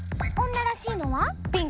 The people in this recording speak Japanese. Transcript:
女らしいのは？